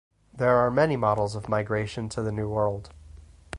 There are many models of migration to the New World.